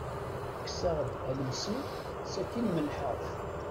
Kkseɣ-d alemsir, sakin melḥeɣ-t.